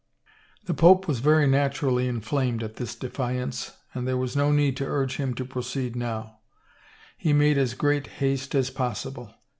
The pope was very naturally inflamed at this defiance and there was no need to urge him to proceed now; he made as great haste as possible.